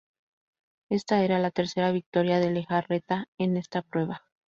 Ésta era la tercera victoria de Lejarreta en esta prueba.